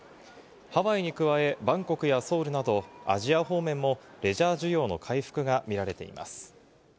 ハワイに加え、バンコクやソウルなどアジア方面もレジャー需要の回復が見られています。